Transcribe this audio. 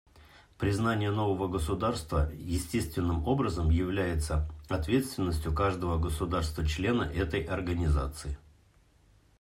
Признание нового государства естественным образом является ответственностью каждого государства-члена этой Организации.